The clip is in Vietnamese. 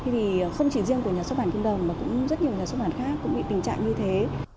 vì không chỉ riêng của nhà xuất bản trung đông mà cũng rất nhiều nhà xuất bản khác cũng bị tình trạng như thế